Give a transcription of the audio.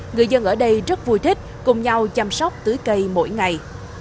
người dân ở đây rất vui thích cùng nhau chăm sóc tưới cây mỗi ngày